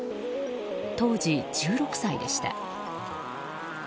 当時１６歳でした。